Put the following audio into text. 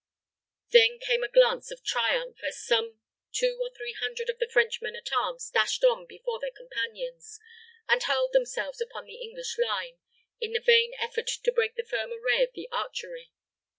Then came a glance of triumph, as some two or three hundred of the French men at arms dashed on before their companions, and hurled themselves upon the English line, in the vain effort to break the firm array of the archery.